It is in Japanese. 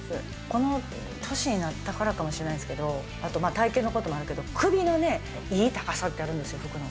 この年になったからかもしれないですけど、あと体形のこともあるけど、首のいい高さってあるんですよ、服の。